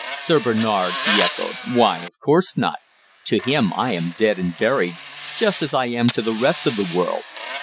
"Sir Bernard!" he echoed. "Why, of course not. To him I am dead and buried, just as I am to the rest of the world.